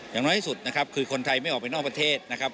อย่างน้อยที่สุดนะครับคือคนไทยไม่ออกไปนอกประเทศนะครับ